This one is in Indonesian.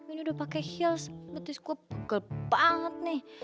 ini udah pake heels betis gue pukul banget nih